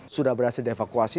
sudah berhasil devakuasi